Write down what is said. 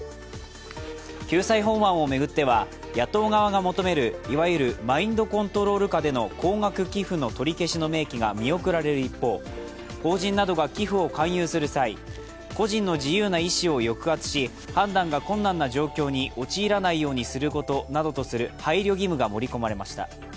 救済法案を巡っては、野党側が求めるいわゆるマインドコントロール下での高額寄付の取り消しの明記が見送られる一方、法人などが寄付を勧誘する際、個人の自由な意思を抑圧し、判断が困難な状況に陥らないようにすることなどとする配慮義務が盛り込まれました。